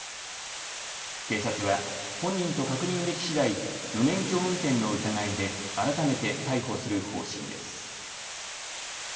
警察は本人と確認できしだい無免許運転の疑いで改めて逮捕する方針です。